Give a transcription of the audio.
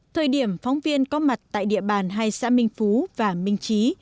thời điểm phóng viên có mặt tại địa bàn hai xã minh phú và minh trí